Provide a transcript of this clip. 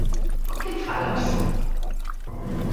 Con quen falas?